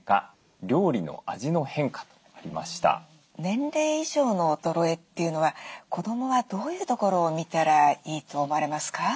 年齢以上の衰えというのは子どもはどういうところを見たらいいと思われますか？